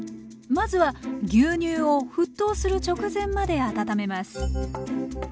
まずは牛乳を沸騰する直前まで温めます。